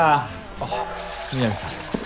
あ南さん！